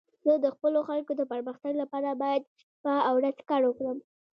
زه د خپلو خلکو د پرمختګ لپاره باید شپه او ورځ کار وکړم.